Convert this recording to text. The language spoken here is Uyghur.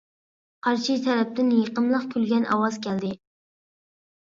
قارشى تەرەپتىن يېقىملىق كۈلگەن ئاۋاز كەلدى.